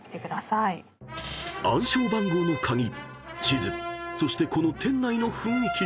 ［暗証番号の鍵地図そしてこの店内の雰囲気］